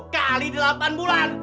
kali delapan bulan